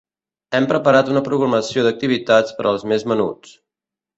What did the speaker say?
Hem preparat una programació d'activitats per als més menuts.